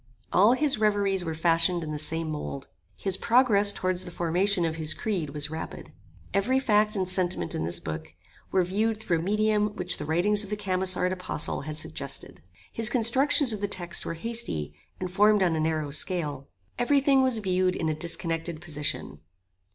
All his reveries were fashioned in the same mould. His progress towards the formation of his creed was rapid. Every fact and sentiment in this book were viewed through a medium which the writings of the Camissard apostle had suggested. His constructions of the text were hasty, and formed on a narrow scale. Every thing was viewed in a disconnected position.